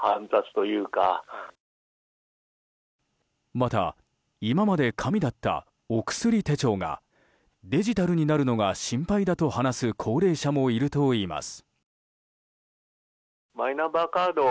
また今まで紙だったお薬手帳がデジタルになるのが心配だと話す高齢者もいるといいます。